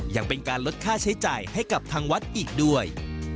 ยังเป็นการลดค่าใช้จ่ายให้กับทางวัดอีกด้วย